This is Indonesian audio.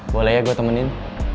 boleh ya gue temenin